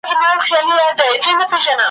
د توپان هیبت وحشت وو راوستلی ,